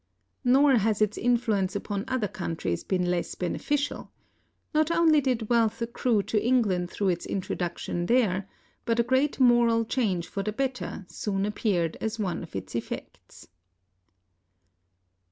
Nor has its influence upon other countries been less beneficial : not only did wealth accrue to England through its introduction there, but a great moral change for the better soon appeared as one of its effects.